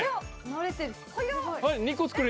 慣れてる！